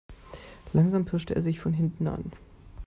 Langsam pirschte er sich von hinten an.